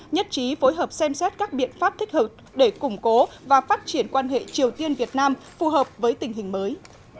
nhất trí phối hợp xem xét các biện pháp thích hợp để củng cố và phát triển quan hệ triều tiên việt nam phù hợp với tình hình mới